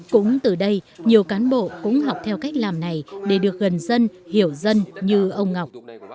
cũng từ đây nhiều cán bộ cũng học theo cách làm này để được gần dân hiểu dân như ông ngọc